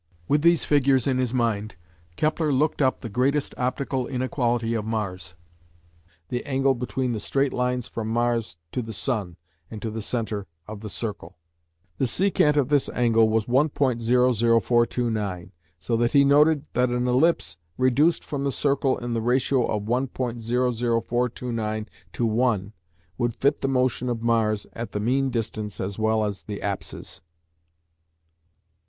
With these figures in his mind, Kepler looked up the greatest optical inequality of Mars, the angle between the straight lines from Mars to the Sun and to the centre of the circle. The secant of this angle was 1.00429, so that he noted that an ellipse reduced from the circle in the ratio of 1.00429 to 1 would fit the motion of Mars at the mean distance as well as the apses.